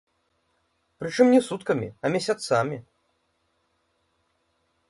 Прычым не суткамі, а месяцамі.